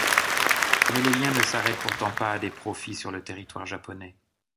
Mais les liens ne s’arrêtent pourtant pas à des profits sur le territoire japonais.